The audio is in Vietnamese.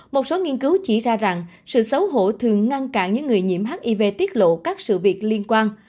một số nghiên cứu chỉ ra rằng sự xấu hổ thường ngăn cản những người nhiễm hiv tiết lộ các sự việc liên quan